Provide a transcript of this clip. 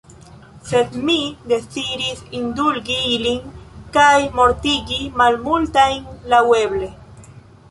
Sed mi deziris indulgi ilin, kaj mortigi malmultajn laŭeble.